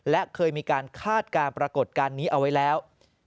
และเคยมีการคาดการณ์ปรากฏการณ์นี้เอาไว้แล้ว